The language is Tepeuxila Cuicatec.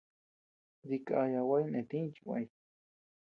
Dikaya gua jinetïñ chi kuëñ.